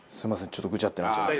ちょっとグチャッてなっちゃって。